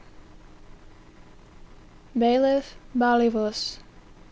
BAILIFF, balivus.